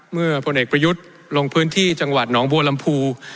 พลเอกประยุทธ์ลงพื้นที่จังหวัดหนองบัวลำพู